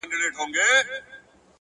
o په يوه جـادو دي زمـــوږ زړونه خپل كړي؛